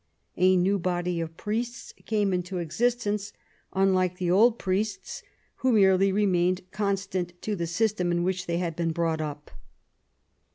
A new body of priests came ijkto existence, unlike the old priests, who merely relnained constant to the system in which they had bee\ brought up.